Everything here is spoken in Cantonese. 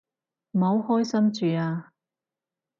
唔好開心住啊